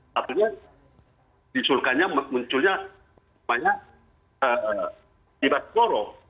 satunya disuruhkannya munculnya banyak dibaskoro